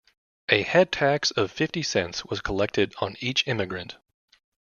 A "head tax" of fifty cents was collected on each immigrant.